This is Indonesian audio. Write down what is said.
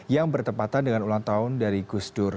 yang bertempatan dengan ulang tahun dari gusdur